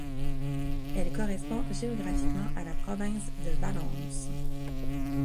Elle correspond géographiquement à la province de Valence.